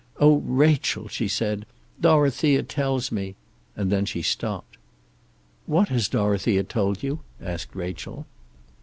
"Oh, Rachel," she said, "Dorothea tells me " and then she stopped. "What has Dorothea told you?" asked Rachel.